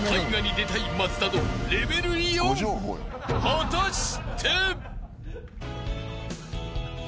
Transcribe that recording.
［果たして］